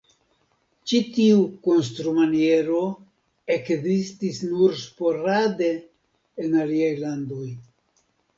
Ĉi tiu konstrumaniero ekzistis nur sporade en aliaj landoj.